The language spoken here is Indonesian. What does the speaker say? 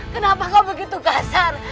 kenapa kau begitu kasar